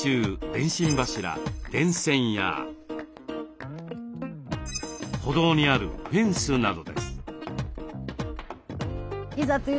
電信柱電線や歩道にあるフェンスなどです。